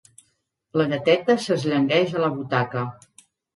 La gateta s'esllangueix a la butaca.